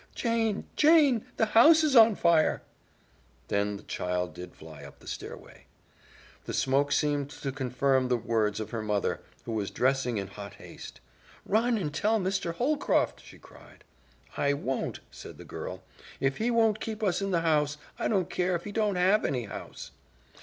"Jane, Jane, the house is on fire!" Then the child did fly up the stairway. The smoke seemed to confirm the words of her mother, who was dressing in hot haste. "Run and tell Mr. Holcroft!" she cried. "I won't," said the girl. "If he won't keep us in the house, I don't care if he don't have any house."